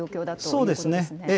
そうですね。